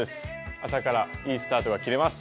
朝からいいスタートが切れます。